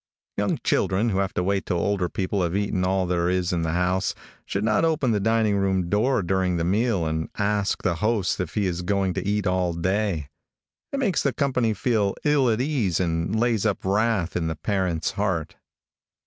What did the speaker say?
|YOUNG children who have to wait till older people have eaten all there is in the house, should not open the dining room door during the meal and ask the host if he is going to eat all day. It makes the company feel ill at ease, and lays up wrath in the parents' heart.